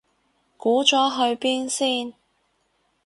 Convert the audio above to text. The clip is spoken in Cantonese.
估咗去邊先